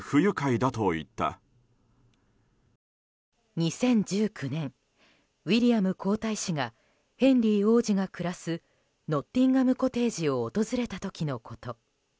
２０１９年ウィリアム皇太子がヘンリー王子が暮らすノッティンガム・コテージを訪れた時のこと。